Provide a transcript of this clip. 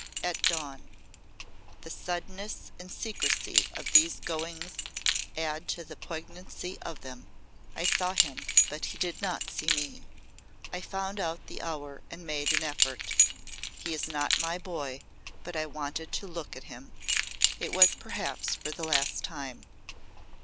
At dawn. The suddenness and secrecy of these goings add to the poignancy of them. I saw him but he did not see me. I found out the hour and made an effort. He is not my boy, but I wanted to look at him. It was perhaps for the last time.